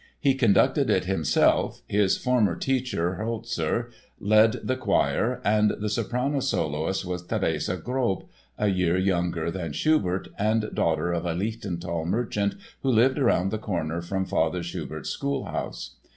He conducted it himself, his former teacher, Holzer, led the choir and the soprano soloist was Therese Grob, a year younger than Schubert and daughter of a Lichtental merchant who lived around the corner from Father Schubert's schoolhouse.